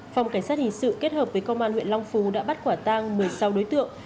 phòng cảnh sát hình sự kết hợp với công an huyện long phú đã bắt quả tang một mươi sáu đối tượng